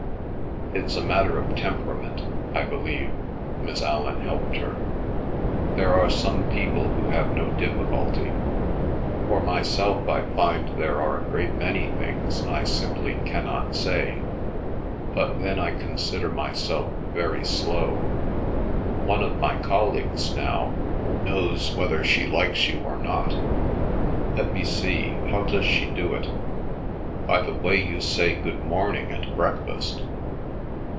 "It's a matter of temperament, I believe," Miss Allan helped her. "There are some people who have no difficulty; for myself I find there are a great many things I simply cannot say. But then I consider myself very slow. One of my colleagues now, knows whether she likes you or not—let me see, how does she do it?—by the way you say good morning at breakfast.